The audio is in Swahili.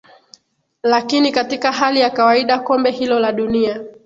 lakini katika hali ya kawaida kombe hilo la dunia